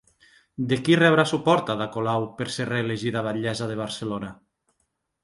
De qui rebrà suport Ada Colau per ser reelegida batllessa de Barcelona?